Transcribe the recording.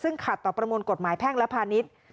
ซึ่งขัดต่อประมวลกฎหมายแพ่งและพาณิชย์